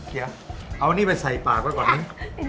เอาอันนี้ไปใส่ปากไว้ก่อนหนึ่ง